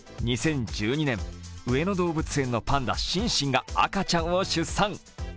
２０１２年、上野動物園のパンダ、シンシンが赤ちゃんを出産。